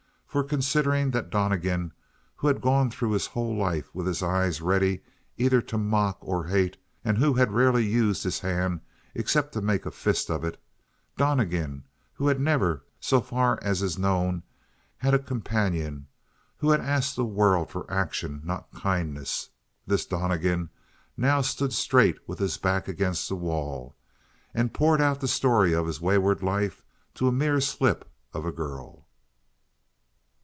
For considering that Donnegan, who had gone through his whole life with his eyes ready either to mock or hate, and who had rarely used his hand except to make a fist of it; Donnegan who had never, so far as is known, had a companion; who had asked the world for action, not kindness; this Donnegan now stood straight with his back against the wall, and poured out the story of his wayward life to a mere slip of a girl.